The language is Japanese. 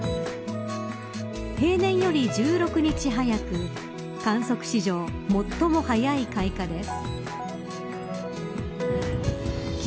平年より１６日早く観測史上、最も早い開花です。